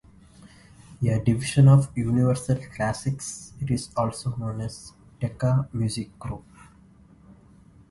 A division of Universal Classics, it is also known as "Decca Music Group".